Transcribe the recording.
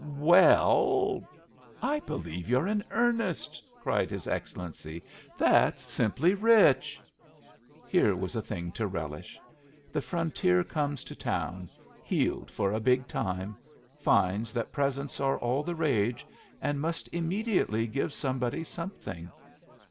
"Well " "I believe you're in earnest!" cried his Excellency. "That's simply rich!" Here was a thing to relish! The Frontier comes to town "heeled for a big time," finds that presents are all the rage, and must immediately give somebody something.